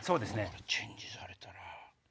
これチェンジされたら。